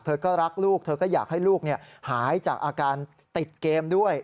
ก็รักลูกเธอก็อยากให้ลูกหายจากอาการติดเกมด้วย